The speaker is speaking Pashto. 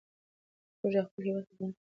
موږ د خپل هېواد خدمت کوو.